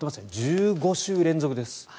１５週連続です。